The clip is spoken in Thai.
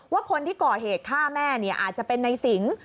ว่าคนที่ก่อเหตุฆ่าแม่อาจจะเป็นนายสิง